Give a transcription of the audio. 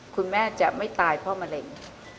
คุณแม่จะไม่ตายเพราะมะเร็ง